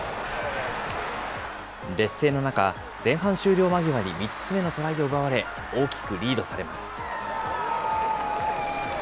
劣勢の中、前半終了間際に３つ目のトライを奪われ、大きくリードされます。